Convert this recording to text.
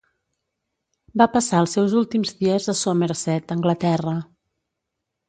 Va passar els seus últims dies a Somerset, Anglaterra.